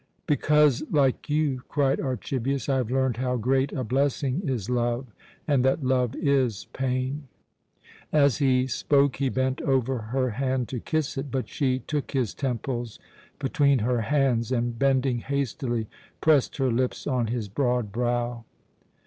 "Because, like you," cried Archibius, "I have learned how great a blessing is love, and that love is pain." As he spoke he bent over her hand to kiss it, but she took his temples between her hands and, bending hastily, pressed her lips on his broad brow.